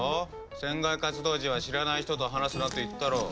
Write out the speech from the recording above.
船外活動時は知らない人と話すなと言ったろ。